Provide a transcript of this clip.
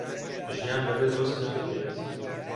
ژیان بەبێ دۆست ناکرێت